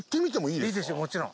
いいですよもちろん。